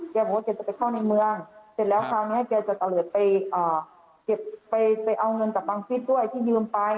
แกบอกว่าแกจะไปเข้าในเมืองเสร็จแล้วคราวนี้แกจะเอาเหลือไปเก็บไปเอาเงินกับบังฟิศด้วยที่ยืมไป